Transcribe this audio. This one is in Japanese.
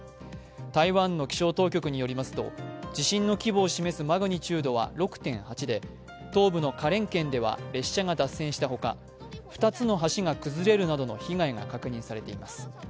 台湾の気象当局によりますと地震の規模を示すマグニチュードは６．８で東部の花蓮県では列車が脱線したほか、２つの橋が崩れるなどの被害が確認されています。